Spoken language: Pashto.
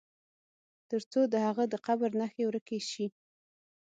تر څو د هغه د قبر نښي ورکي سي.